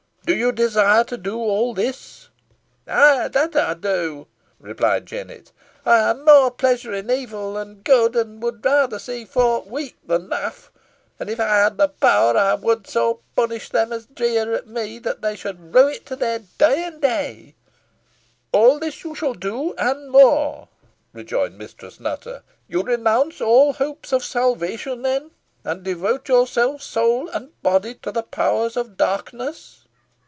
Do you desire to do all this?" "Eigh, that ey do," replied Jennet. "Ey ha' more pleasure in evil than in good, an wad rayther see folk weep than laugh; an if ey had the power, ey wad so punish them os jeer at me, that they should rue it to their deein' day." "All this you shall do, and more," rejoined Mistress Nutter. "You renounce all hopes of salvation, then, and devote yourself, soul and body, to the Powers of Darkness."